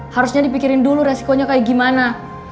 harusnya dipikirin dulu resikonya kayak gimana